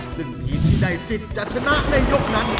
ซึ่งทีมที่ได้สิทธิ์จะชนะในยกนั้น